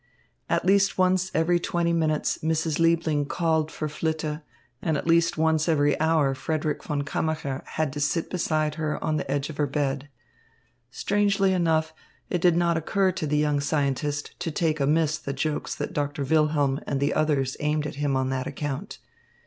At least once every twenty minutes Mrs. Liebling called for Flitte and at least once every hour Frederick von Kammacher had to sit beside her on the edge of her bed. Strangely enough, it did not occur to the young scientist to take amiss the jokes that Doctor Wilhelm and the others aimed at him on that account.